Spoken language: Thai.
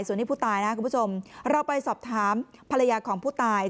ส่วนนี้ผู้ตายนะคุณผู้ชมเราไปสอบถามภรรยาของผู้ตาย